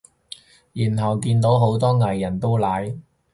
然後見到好多藝人都奶